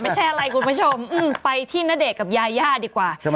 ไม่ใช่อะไรคุณผู้ชมไปที่ณเดชน์กับยาย่าดีกว่า